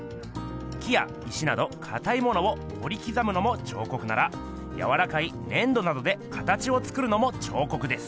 木や石などかたいものを彫り刻むのも彫刻ならやわらかい粘土などでかたちを作るのも彫刻です。